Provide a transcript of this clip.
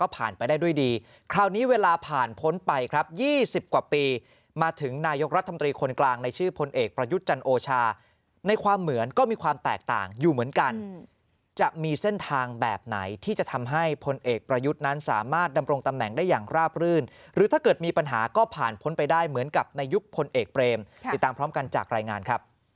ผ่านไปได้ด้วยดีคราวนี้เวลาผ่านพ้นไปครับ๒๐กว่าปีมาถึงนายกรัฐมนตรีคนกลางในชื่อพลเอกประยุทธ์จันโอชาในความเหมือนก็มีความแตกต่างอยู่เหมือนกันจะมีเส้นทางแบบไหนที่จะทำให้พลเอกประยุทธ์นั้นสามารถดำรงตำแหน่งได้อย่างราบรื่นหรือถ้าเกิดมีปัญหาก็ผ่านพ้นไปได้เหมือนกับในยุคพลเอกเบรมติดตามพร้อมกันจากรายงานครับ